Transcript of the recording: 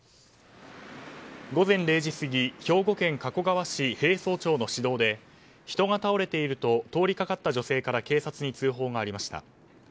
午前０時過ぎ兵庫県加古川市平荘町の市道で人が倒れていると通りかかった女性から警察に通報がありました。